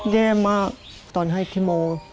แย่มากตอนให้คีโม